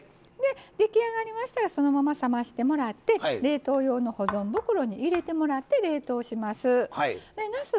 出来上がりましたらそのまま冷ましてもらって冷凍用の保存袋に入れてもらって冷凍します。